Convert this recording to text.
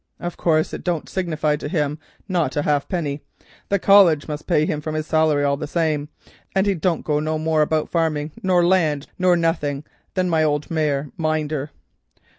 Of course it don't signify to him not a halfpenny, the College must pay him his salary all the same, and he don't know no more about farming, nor land, nor northing, than my old mare yinder.